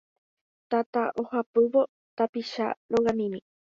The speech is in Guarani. Tata ohapývo tapicha rogamimi